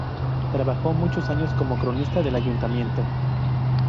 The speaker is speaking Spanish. Trabajó muchos años como Cronista del Ayuntamiento.